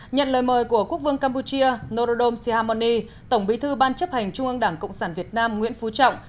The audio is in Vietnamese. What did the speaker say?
nhận lời mời của quốc vương campuchia norodom sihamoni tổng bí thư ban chấp hành trung ương đảng cộng sản việt nam nguyễn phú trọng